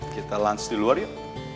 kita lunch di luar yuk